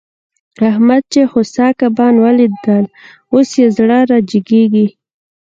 احمد چې خوسا کبان وليدل؛ اوس يې زړه را جيګېږي.